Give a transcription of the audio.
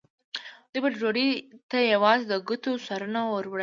دوی به ډوډۍ ته یوازې د ګوتو سرونه وروړل.